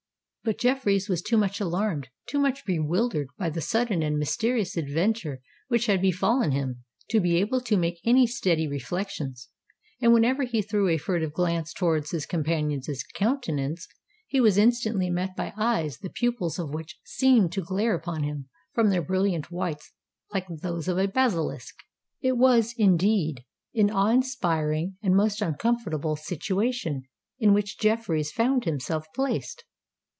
But Jeffreys was too much alarmed—too much bewildered by the sudden and mysterious adventures which had befallen him, to be able to make any very steady reflections; and whenever he threw a furtive glance towards his companion's countenance, he was instantly met by eyes the pupils of which seemed to glare upon him from their brilliant whites like those of a basilisk. It was, indeed, an awe inspiring and most uncomfortable situation in which Jeffreys found himself placed.